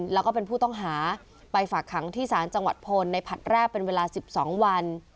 แล้วก็เป็นผู้ต้องหาไปฝากขังที่ศาลจังหวัดพลในผลัดแรกเป็นเวลา๑๒วัน